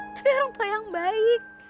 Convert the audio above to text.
tapi orang tua yang baik